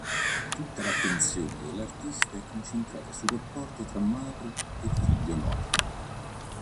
Tutta l'attenzione dell'artista è concentrata sul rapporto tra madre e figlio morto.